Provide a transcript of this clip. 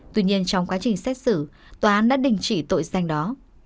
tuy nhiên trong quá trình xét xử tòa án đã đình chỉ tội danh đó